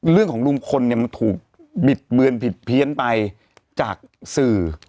ลุงพลเนี่ยมันถูกบิดเบือนผิดเพี้ยนไปจากสื่อ